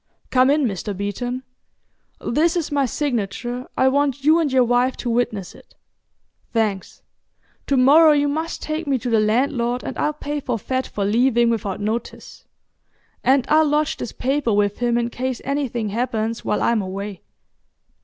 Come in, Mr. Beeton. This is my signature; I want you and your wife to witness it. Thanks. To morrow you must take me to the landlord and I'll pay forfeit for leaving without notice, and I'll lodge this paper with him in case anything happens while I'm away.